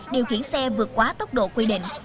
điều khiển xe vượt quá tốc độ quy định